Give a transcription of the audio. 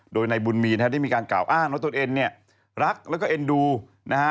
โดยนายบุญมีนะฮะได้มีการกล่าวอ้างว่าตนเองเนี่ยรักแล้วก็เอ็นดูนะฮะ